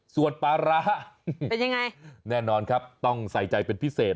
ส่วนปลาร้าเป็นยังไงแน่นอนครับต้องใส่ใจเป็นพิเศษ